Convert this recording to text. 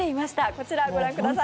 こちら、ご覧ください。